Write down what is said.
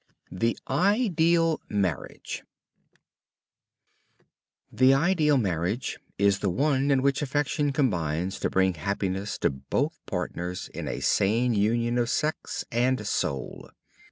THE IDEAL MARRIAGE The ideal marriage is the one in which affection combines to bring happiness to both partners in a sane union of sex and soul.